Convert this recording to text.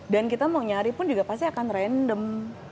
dan kita mau nyari pun juga pasti akan random